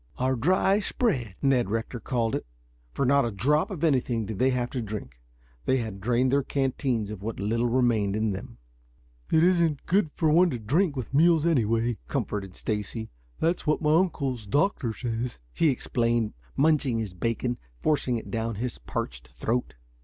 "Our dry spread," Ned Rector called it, for not a drop of anything did they have to drink. They had drained their canteens of what little remained in them. "It isn't good for one to drink with meals anyway," comforted Stacy. "That's what my uncle's doctor says," he explained, munching his bacon, forcing it down his parched throat.